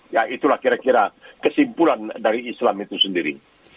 ya itulah kira kira kesimpulan dari islam itu sendiri